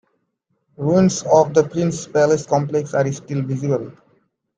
Ruins of the Prince's Palace Complex are still visible.